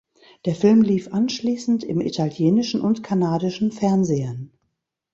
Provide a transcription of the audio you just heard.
Der Film lief anschließend im italienischen und kanadischen Fernsehen.